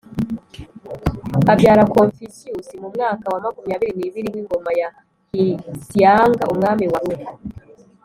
abyara confucius mu mwaka wa makumyabiri n’ibiri w’ingoma ya hsiang umwami wa lu